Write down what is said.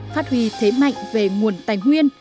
phát huy thế mạnh về nguồn tài nguyên